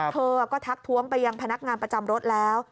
เธอก็ทักท้วงไปยังพนักงานประจำรถแล้ว